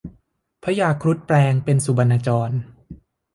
พญาครุฑแปลงเป็นสุบรรณจร